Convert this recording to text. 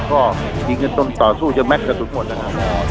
ก็ทีเงินต้นต่อสู้จะแม่กกระทุดหมดนะครับ